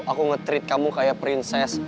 aku nge treat kamu kayak princess